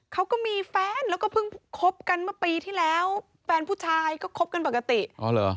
เขาก็มีแฟนแล้วก็เพิ่งคบกันเมื่อปีที่แล้วแฟนผู้ชายก็คบกันปกติอ๋อเหรอ